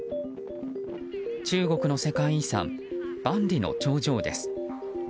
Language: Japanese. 中国の世界遺産・万里の長城です。